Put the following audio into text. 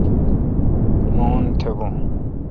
مہ اون تھبون۔